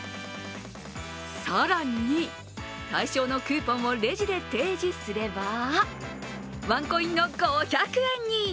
更に、対象のクーポンをレジで提示すればワンコインの５００円に。